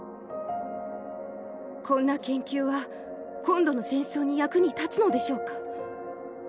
こんな研究は今度の戦争に役に立つのでしょうか？